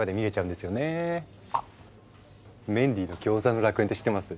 あっ「メンディーのギョーザの楽園」って知ってます？